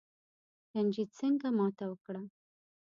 رنجیټ سینګه ماته وکړه.